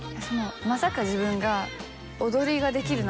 まさか自分が。